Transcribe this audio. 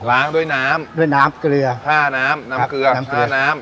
ล้างด้วยน้ำด้วยน้ำเกลือท่าน้ำน้ำเกลือน้ำท่าน้ำ